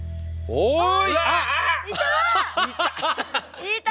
おい。